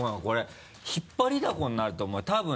これ引っ張りだこになると思うよ。